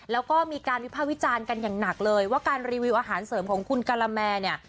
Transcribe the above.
แล้วก็มีการวิภาควิจารณ์กันอย่างหนักเลยว่าการรีวิวอาหารเสริมของคุณกะละแมเนี่ย